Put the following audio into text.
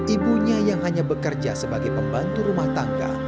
ibunya yang hanya bekerja sebagai pembantu rumah tangga